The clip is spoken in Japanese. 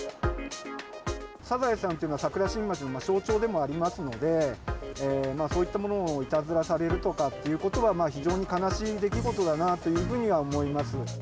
サザエさんっていうのは、桜新町の象徴でもありますので、そういったものをいたずらされるとかっていうことは非常に悲しい出来事だなというふうには思います。